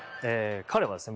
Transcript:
彼はですね